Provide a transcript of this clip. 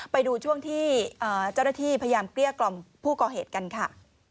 ไปดูช่วงที่เจ้าหน้าที่พยายามเกลี้ยกล่อมผู้ก่อเหตุกันค่ะ